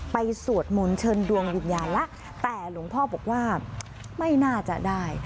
สวดมนต์เชิญดวงวิญญาณแล้วแต่หลวงพ่อบอกว่าไม่น่าจะได้